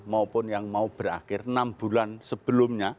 maupun yang mau berakhir enam bulan sebelumnya